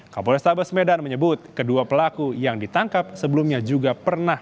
kapolres tabes medan menyebut kedua pelaku yang ditangkap sebelumnya juga pernah